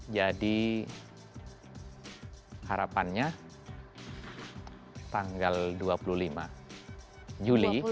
jadi harapannya tanggal dua puluh lima juli